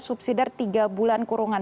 subsidi tiga bulan kurungan